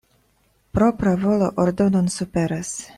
Propra volo ordonon superas.